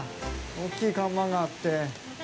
大きい看板があって。